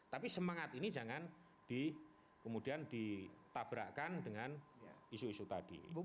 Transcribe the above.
tapi semangat ini jangan kemudian ditabrakkan dengan isu isu tadi